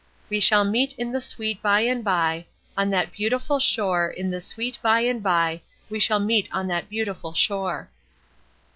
We shall meet in the sweet by and by, On that beautiful shore in the sweet by and by, We shall meet on that beautiful shore."